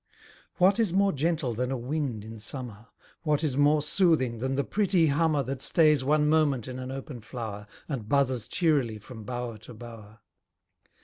What is more gentle than a wind in summer? What is more soothing than the pretty hummer That stays one moment in an open flower, And buzzes cheerily from bower to bower?